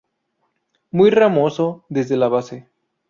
Muy ramoso desde la base.